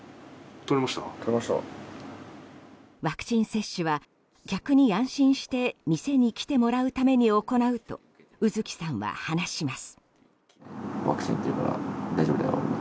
ワクチン接種は客に、安心して店に来てもらうために行うと卯月さんは話します。